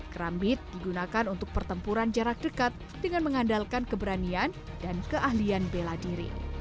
kerambit digunakan untuk pertempuran jarak dekat dengan mengandalkan keberanian dan keahlian bela diri